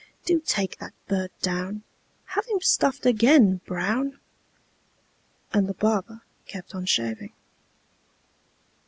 Do take that bird down; Have him stuffed again, Brown!" And the barber kept on shaving.